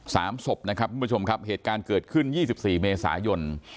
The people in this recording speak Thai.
สามศพนะครับทุกผู้ชมครับเหตุการณ์เกิดขึ้นยี่สิบสี่เมษายน